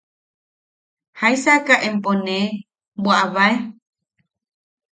–¿Jaisaaka empo nee bwaʼabae.